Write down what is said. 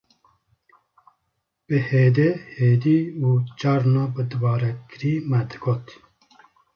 Bi hêdê hêdî û carna bi dubarekirî me digot